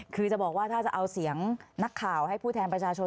คือจะบอกว่าถ้าจะเอาเสียงนักข่าวให้ผู้แทนประชาชน